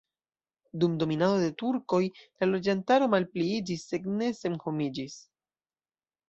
Dum dominado de turkoj la loĝantaro malpliiĝis sed ne senhomiĝis.